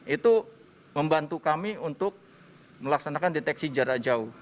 itu membantu kami untuk melaksanakan deteksi jarak jauh